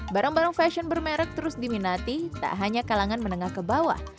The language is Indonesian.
barang barang fashion bermerek terus diminati tak hanya kalangan menengah ke bawah